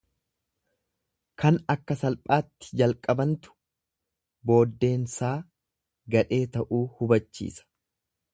Kan akka salphaatti jalqabantu booddeensaa gadhee ta'uu hubachiisa.